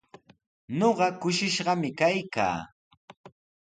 Ñuqa kushishqami kaykaa.